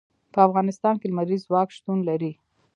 په افغانستان کې لمریز ځواک شتون لري.